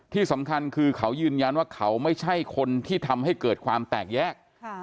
ที่สำคัญคือเขายืนยันว่าเขาไม่ใช่คนที่ทำให้เกิดความแตกแยก